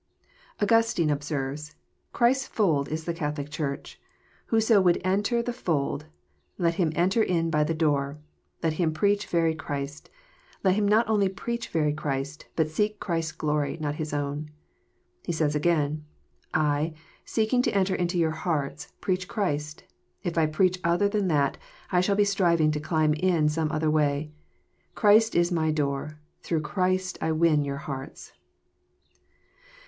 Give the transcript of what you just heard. Augustine observes :^* Christ's fold is the Catholic Church. Whoso would enter the fold, let him enter in by the door : let him preach very Christ. Let him not only preach very Christ. but seek Christ's glory, not his own." — He says again, '^ I, seek ing to enter into your hearts, preach Christ : if I preach other than that, I shall be striving to climb in some other way. Christ is my Door : through Christ I win your hearts."